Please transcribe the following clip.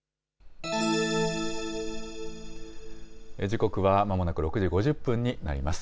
時刻はまもなく６時５０分になります。